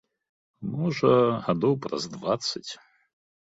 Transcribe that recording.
Можа, гадоў праз дваццаць.